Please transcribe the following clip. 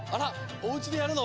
おうちでやるの？